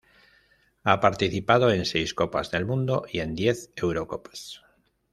Ha participado en seis Copas del Mundo y en diez Eurocopas.